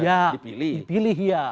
iya dipilih ya